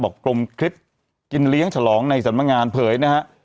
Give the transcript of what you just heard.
กรมคลิปกินเลี้ยงฉลองในสำนักงานเผยนะฮะ